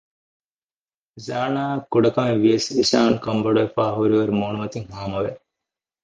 ޒާރާއަށް ކުޑަކަމެއްވިޔަސް އިޝާން ކަންބޮޑުވަފައި ހުރިވަރު މޫނުމަތިން ހާމަވެ